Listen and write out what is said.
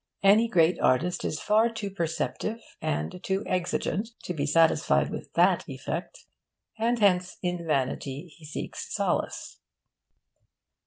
Any great artist is far too perceptive and too exigent to be satisfied with that effect, and hence in vanity he seeks solace.